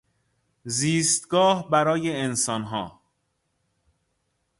زیستگاه برای انسانها